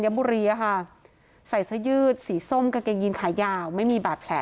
พ่อแม่มาเห็นสภาพศพของลูกร้องไห้กันครับขาดใจ